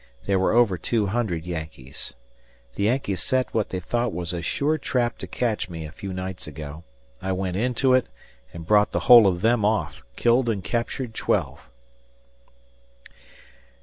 There were over two hundred Yankees. The Yankees set what they thought was a sure trap to catch me a few nights ago. I went into it and brought the whole of them off, killed and captured twelve.